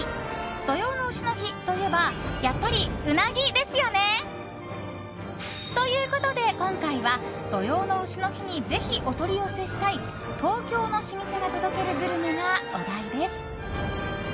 土用の丑の日といえばやっぱりウナギですよね！ということで今回は土用の丑の日にぜひお取り寄せしたい東京の老舗が届けるグルメがお題です。